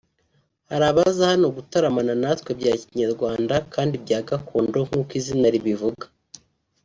hari abaza hano gutaramana natwe bya Kinyarwanda kandi bya gakondo nkuko izina ribivuga